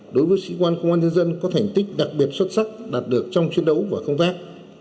đối với sĩ quan công an nhân dân có thành tích đặc biệt xuất sắc đạt được trong chiến đấu và công tác